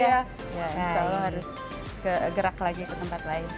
insya allah harus gerak lagi ke tempat lain